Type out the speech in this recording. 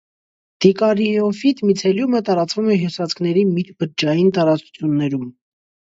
Դիկարիոֆիտ միցելիումը տարածվում է հյուսվածքների միջբջջային տարածություններում։